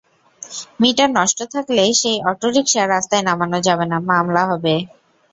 Metre নষ্ট থাকলে সেই অটোরিকশা রাস্তায় নামানো যাবে না, মামলা হবে।